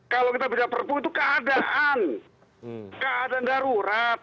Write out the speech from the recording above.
kalau kita beda perpu itu keadaan keadaan darurat